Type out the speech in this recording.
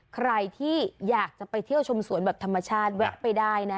ใครที่อยากจะไปเที่ยวชมสวนแบบธรรมชาติแวะไปได้นะ